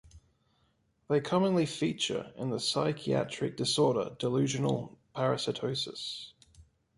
They commonly feature in the psychiatric disorder delusional parasitosis.